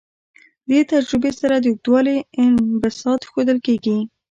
دې تجربې سره د اوږدوالي انبساط ښودل کیږي.